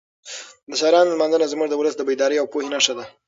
د شاعرانو لمانځنه زموږ د ولس د بیدارۍ او پوهې نښه ده.